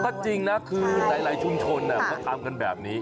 ก็จริงนะคือหลายชุมชนเขาทำกันแบบนี้